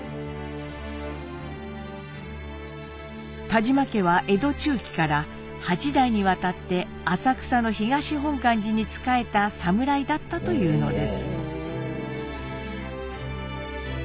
田嶋家は江戸中期から８代にわたって浅草の東本願寺に仕えた侍だったというのです。